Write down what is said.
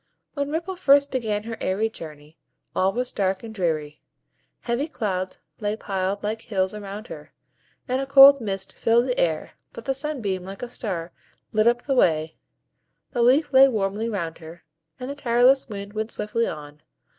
When Ripple first began her airy journey, all was dark and dreary; heavy clouds lay piled like hills around her, and a cold mist filled the air but the Sunbeam, like a star, lit up the way, the leaf lay warmly round her, and the tireless wind went swiftly on.